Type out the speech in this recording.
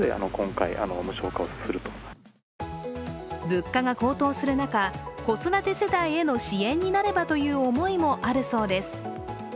物価が高騰する中、子育て世代への支援になればという思いもあるそうです。